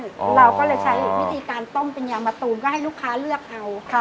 เราก็เลยใช้วิธีการต้มเป็นยามะตูมก็ให้ลูกค้าเลือกเอา